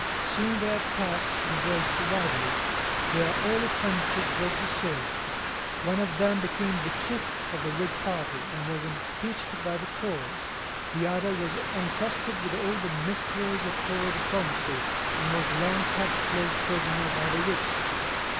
Soon their paths diverged widely. Their early friendship was dissolved. One of them became the chief of the Whig party, and was impeached by the Tories. The other was entrusted with all the mysteries of Tory diplomacy, and was long kept close prisoner by the Whigs.